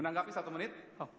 anggapnya satu menit